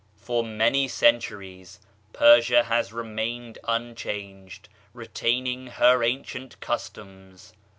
For many centuries, Persia has remained un changed, retaining her ancient customs.